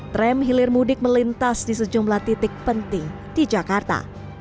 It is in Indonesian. tram hilir mudik melintas di sejumlah titik penting di jakarta